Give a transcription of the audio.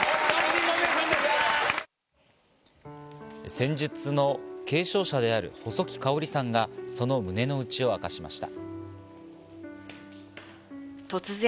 占術の継承者である細木かおりさんがその胸の内を明かしました。